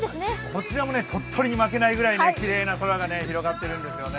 こちらも鳥取に負けないぐらいきれいな空が広がっています。